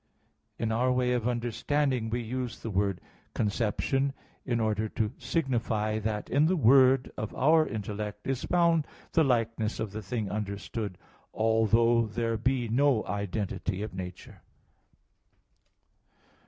(Prov. 8:24). In our way of understanding we use the word "conception" in order to signify that in the word of our intellect is found the likeness of the thing understood, although there be no identity of nature.